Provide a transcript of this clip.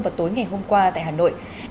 vào tối ngày hôm qua tại hà nội